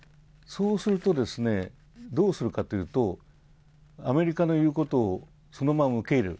そうすると、どうするかというと、アメリカの言うことを、そのまま受け入れる。